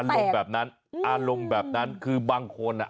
ลมแบบนั้นอารมณ์แบบนั้นคือบางคนอ่ะ